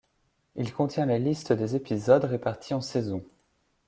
Il contient la liste des épisodes répartie en saisons.